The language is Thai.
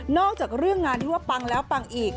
อกจากเรื่องงานที่ว่าปังแล้วปังอีก